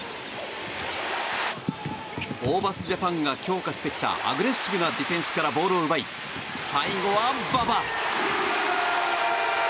ホーバスジャパンが強化してきたアグレッシブなディフェンスからボールを奪い、最後は馬場！